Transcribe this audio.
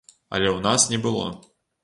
Але ў нас не было.